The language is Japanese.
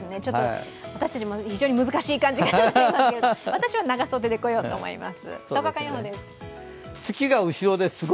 私たちも非常に難しい感じがしますけど私は長袖で来ようと思います。